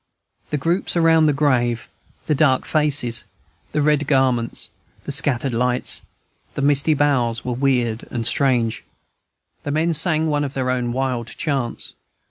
The groups around the grave, the dark faces, the red garments, the scattered lights, the misty boughs, were weird and strange. The men sang one of their own wild chants.